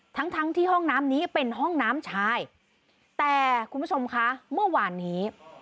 ทั้งทั้งที่ห้องน้ำนี้เป็นห้องน้ำชายแต่คุณผู้ชมคะเมื่อวานนี้